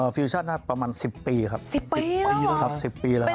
เออฟิวชั่นครับประมาณสิบปีครับสิบปีแล้วหรอครับสิบปีแล้วครับ